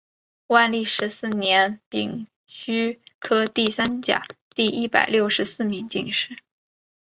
万历十四年丙戌科第三甲第一百六十四名进士。